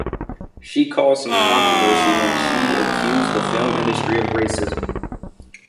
She caused some controversy when she accused the film industry of racism.